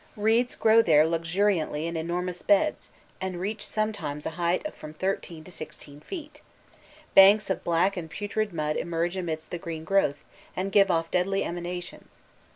Reeds grow there luxuriantly in enormous beds, and reach sometimes a height of from thirteen to sixteen feet; banks of black and putrid mud emerge amidst the green growth, and give off deadly emanations.